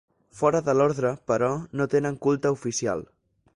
Fora de l'orde, però, no tenen culte oficial.